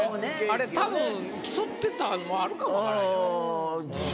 あれたぶん競ってたのもあるかも分からへん。